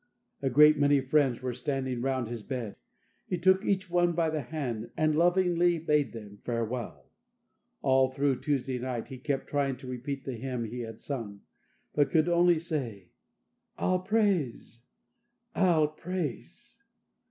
A great many friends were standing round his bed; he took each one by the hand, and lovingly bade them farewell. All through Tuesday night, he kept trying to repeat the hymn he had sung, but could only say: "I'll praise, I'll praise."